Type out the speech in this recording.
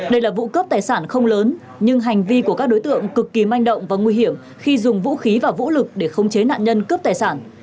đây là vụ cướp tài sản không lớn nhưng hành vi của các đối tượng cực kỳ manh động và nguy hiểm khi dùng vũ khí và vũ lực để không chế nạn nhân cướp tài sản